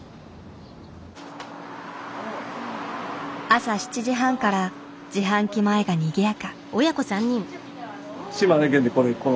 朝７時半から自販機前がにぎやか。